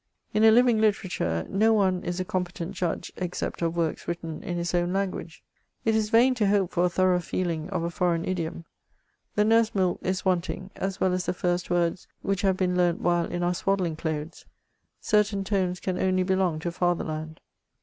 In a living literature, no one is a competent judge, except of works written in his own lang^uage. It is vain to hope for m thorough feeling of a foreign idiom — the nurse milk is wanting, as well as the first words which have been learnt while in our swaddling clothes : certain tones can only belong to fatherland.